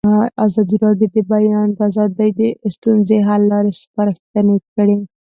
ازادي راډیو د د بیان آزادي د ستونزو حل لارې سپارښتنې کړي.